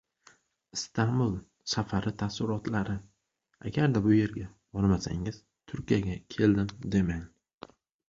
Istanbul safari taassurotlari: “Agar bu yerga bormasangiz, Turkiyaga keldim demang!”